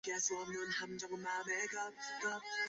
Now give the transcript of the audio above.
单序波缘大参是五加科大参属波缘大参的变种。